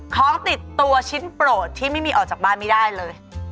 ของติดตัวชิ้นโปรดที่ไม่มีออกจากบ้านไม่ได้เลย